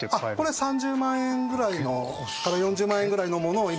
これ３０万円ぐらいから４０万円ぐらいのものを今。